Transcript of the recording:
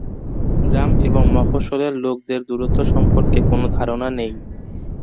গ্রাম এবং মফস্বলের লোকদের দূরত্ব সম্পর্কে কোনো ধারণা নেই।